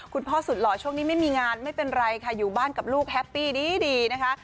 คุณพ่อสุดหล่อช่วงนี้ไม่มีงานไม่เป็นไรค่ะอยู่บ้านกับลูกแฮปปี้ดีนะคะ